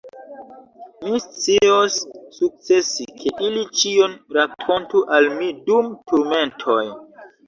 Mi scios sukcesi, ke ili ĉion rakontu al mi dum turmentoj.